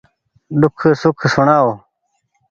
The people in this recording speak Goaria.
ۮوک سوک سوڻآڻو